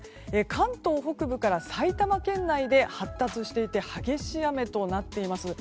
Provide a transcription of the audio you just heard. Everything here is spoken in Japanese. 関東北部から埼玉県内で発達していて激しい雨となっています。